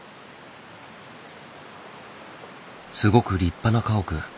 すごく立派な家屋。